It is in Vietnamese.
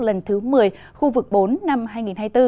lần thứ một mươi khu vực bốn năm hai nghìn hai mươi bốn